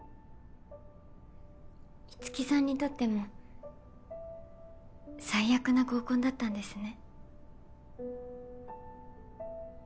樹さんにとっても最悪な合コンだったんですね。